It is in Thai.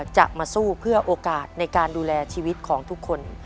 จะมาสู้เพื่อโอกาสในการดูแลชีวิตของทุกคน